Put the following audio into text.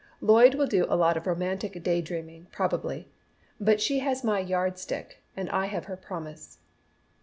"Lloyd will do a lot of romantic day dreaming probably, but she has my 'yard stick' and I have her promise."